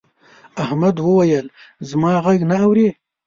احمد وويل: زما غږ نه اوري.